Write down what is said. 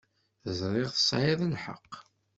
Ẓriɣ tesεiḍ lḥeqq.